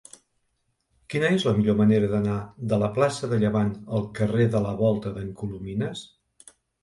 Quina és la millor manera d'anar de la plaça de Llevant al carrer de la Volta d'en Colomines?